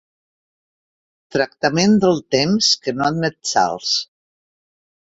Tractament del temps que no admet salts.